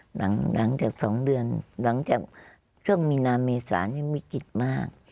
หลังจาก๒เดือนหลังจากช่วงมีนาเมษานี่วิกฤตมาก